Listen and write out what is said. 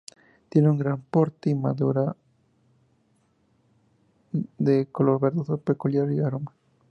Tiene un gran porte y madera dura, de color verdoso y peculiar aroma.